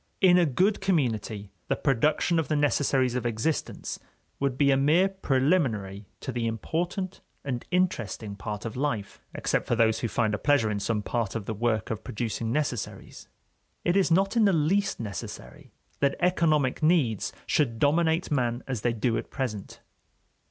In a good community the production of the necessaries of existence would be a mere preliminary to the important and interesting part of life, except for those who find a pleasure in some part of the work of producing necessaries. It is not in the least necessary that economic needs should dominate man as they do at present.